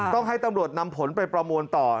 ต้องให้ตำรวจนำผลไปประมวลต่อ